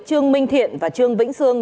trương minh thiện và trương vĩnh sương